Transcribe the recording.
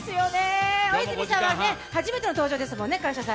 大泉さんは初めての登場ですもんね、「感謝祭」。